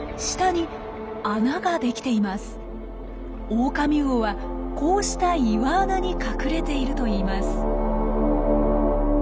オオカミウオはこうした岩穴に隠れているといいます。